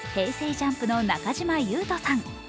ＪＵＭＰの中島裕翔さん。